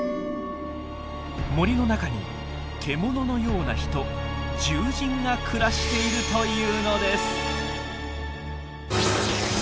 森の中に獣のような人「獣人」が暮らしているというのです。